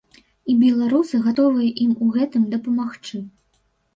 І беларусы гатовыя ім у гэтым дапамагчы.